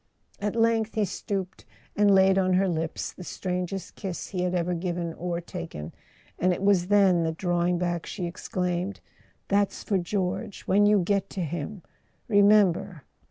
At length he stooped and laid on her lips the strangest kiss he had ever given or taken; and it [ 268 ] A SON AT THE FRONT was then that, drawing back, she exclaimed: "That's for George, when you get to him. Remember!"